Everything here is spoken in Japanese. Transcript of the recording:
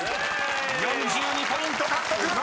［４２ポイント獲得］